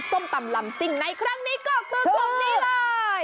ส้มตำลำซิ่งในครั้งนี้ก็คือตรงนี้เลย